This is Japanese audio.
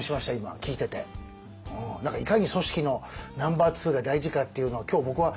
何かいかに組織のナンバーツーが大事かっていうのを今日僕は。